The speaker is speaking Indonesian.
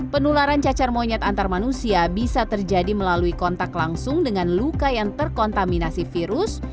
penularan cacar monyet antar manusia bisa terjadi melalui kontak langsung dengan luka yang terkontaminasi virus